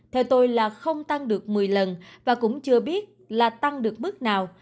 theo tôi là không tăng được một mươi lần và cũng chưa biết là tăng được bước nào